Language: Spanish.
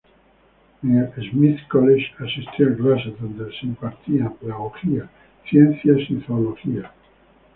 En el Smith College asistió a clases donde se impartían pedagogía, ciencias y zoología.